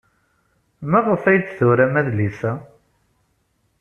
Maɣef ay d-turam adlis-a?